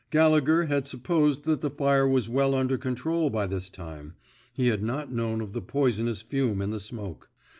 Gallegher had sup posed that the fire was well under control by this time ; he had not known of the poison ous fume in the smoke.